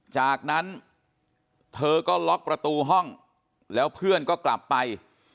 จากนั้นเธอก็ล็อกประตูห้องแล้วเพื่อนก็กลับไป